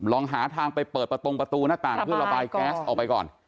ลองหาทางไปเปิดประตงประตูหน้าต่างเพื่อระบายแก๊สออกไปก่อน